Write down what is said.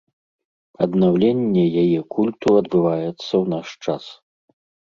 Аднаўленне яе культу адбываецца ў наш час.